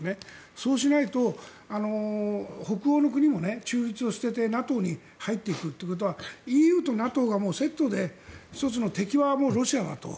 そうしないと北欧の国も中立を捨ててＮＡＴＯに入っていくということはＥＵとＮＡＴＯがセットで１つの敵はロシアだと。